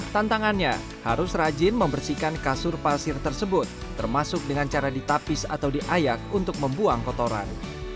tantangannya harus rajin membersihkan kasur pasir tersebut termasuk dengan cara ditapis atau diayak untuk membuang kotoran